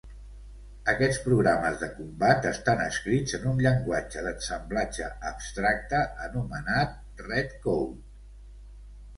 Aquests programes de combat estan escrits en un llenguatge d'ensamblatge abstracte anomenat "Redcode".